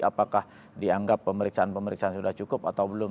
apakah dianggap pemeriksaan pemeriksaan sudah cukup atau belum